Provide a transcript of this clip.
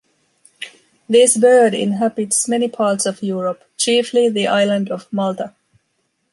This bird inhabits many parts of Europe, chiefly the island of Malta.